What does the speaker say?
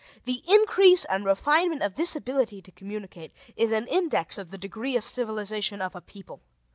The increase and refinement of this ability to communicate is an index of the degree of civilization of a people.